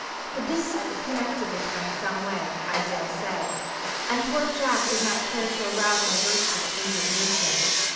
"The business is connected with her in some way, I daresay, and poor Jack does not care to arouse my virtuous indignation.